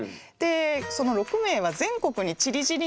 その６名は全国にちりぢりになって。